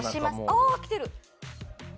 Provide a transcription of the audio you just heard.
あっきてる！